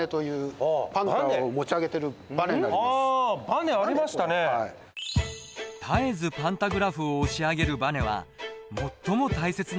絶えずパンタグラフを押し上げるバネは最も大切な部品の一つ。